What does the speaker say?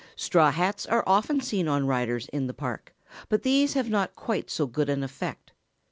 Straw hats are often seen on riders in the Park, but these have not quite so good an effect.